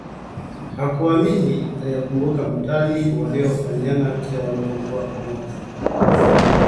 Hakuamini… Aliyakumbuka matani waliyofanyiana kila walipokuwa pamoja